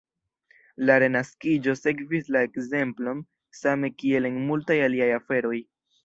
La Renaskiĝo sekvis la ekzemplon, same kiel en multaj aliaj aferoj.